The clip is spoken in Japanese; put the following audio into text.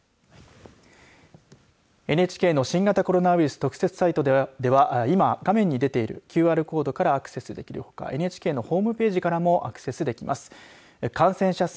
ＮＨＫの新型コロナウイルス特設サイトでは今、画面に出ているＱＲコードからアクセスできるほかＮＨＫのホームページからもアクセスできます。